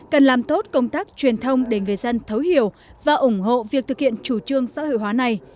cần làm tốt công tác truyền thông để người dân thấu hiểu và ủng hộ việc thực hiện chủ trương xã hội hóa này